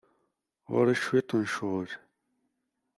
Ɣer-i cwiṭ n ccɣel.